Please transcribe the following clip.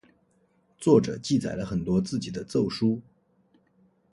作者记载了很多自己的奏疏。